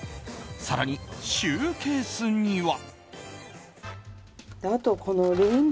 更に、シューケースには。